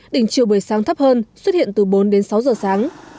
đỉnh chiều bời sáng thấp hơn xuất hiện từ bốn đến sáu giờ sáng